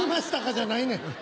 じゃないねん。